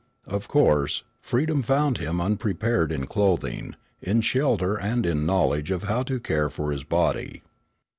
Of course, freedom found him unprepared in clothing, in shelter and in knowledge of how to care for his body.